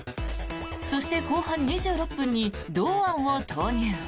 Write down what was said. そして、後半２６分に堂安を投入。